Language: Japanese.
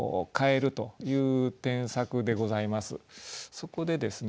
そこでですね